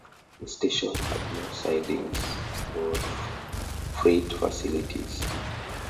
The station had no sidings or freight facilities.